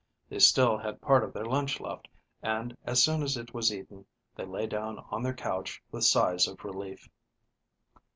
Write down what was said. They still had part of their lunch left, and, as soon as it was eaten, they lay down on their couch with sighs of relief.